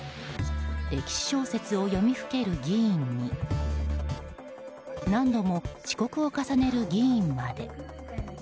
歴史小説を読みふける議員に何度も遅刻を重ねる議員まで。